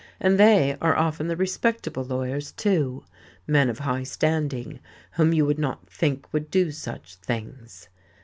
And they are often the respectable lawyers, too, men of high standing, whom you would not think would do such things.